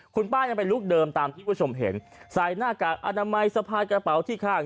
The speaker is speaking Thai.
คุณป้ายังเป็นลูกเดิมตามที่คุณผู้ชมเห็นใส่หน้ากากอนามัยสะพายกระเป๋าที่ข้าง